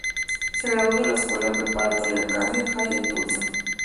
Se graduó de la escuela preparatoria Casia Hall en Tulsa.